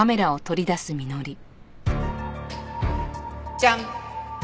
ジャン！